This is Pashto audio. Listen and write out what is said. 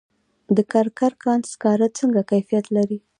د کرکر کان سکاره څنګه کیفیت لري؟